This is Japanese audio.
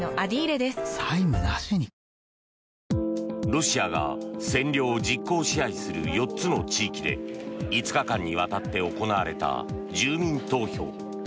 ロシアが占領・実効支配する４つの地域で５日間にわたって行われた住民投票。